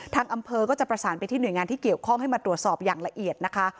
ทางอำเภอก็จะประสานไปที่หน่วยงานที่เกี่ยวข้องให้มาตรวจสอบอย่างละเอียดนะคะ